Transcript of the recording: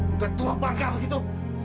untuk tua bangka begitu